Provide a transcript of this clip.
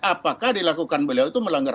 apakah dilakukan beliau itu melanggar